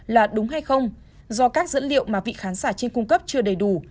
là đúng hay không do các dữ liệu mà vị khán giả trên cung cấp chưa đầy đủ